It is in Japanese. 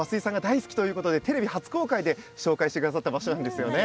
増井さんが大好きということでテレビ初公開でご紹介してくださった場所ですね。